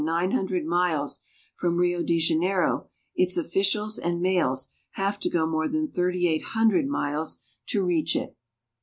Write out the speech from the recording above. nine hundred miles from Rio de Janeiro, its officials and mails have to go more than thirty eight hundred miles to reach it.